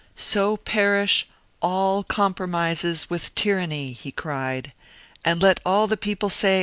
^' So perish all compromises with tyranny !" he cried, ^^ and let all the people say.